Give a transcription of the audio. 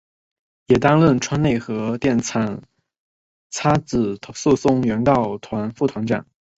也担任川内核电厂差止诉讼原告团副团长。